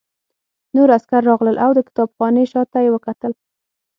نور عسکر راغلل او د کتابخانې شاته یې وکتل